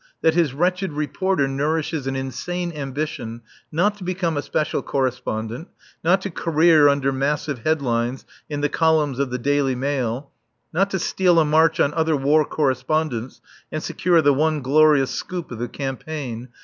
That his wretched Reporter nourishes an insane ambition not to become a Special Correspondent; not to career under massive headlines in the columns of the Daily Mail; not to steal a march on other War Correspondents and secure the one glorious "scoop" of the campaign.